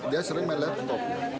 dia sering main laptop